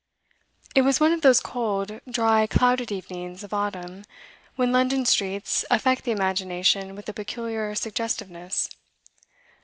It was one of those cold, dry, clouded evenings of autumn, when London streets affect the imagination with a peculiar suggestiveness.